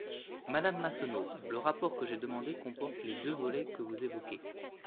Madame Massonneau, le rapport que j’ai demandé comporte les deux volets que vous évoquez.